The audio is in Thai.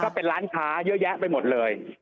ค่ะแล้วก็เป็นร้านค้า๋เยอะแยะไปหมดเลย